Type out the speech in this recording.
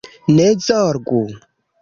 Ne zorgu